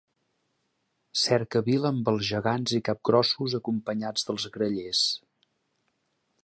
Cercavila amb els gegants i capgrossos acompanyats dels Grallers.